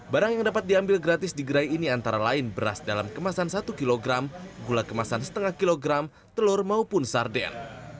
barang yang dapat diambil gratis di gerai ini antara lain beras dalam kemasan satu kg gula kemasan setengah kilogram telur maupun sarden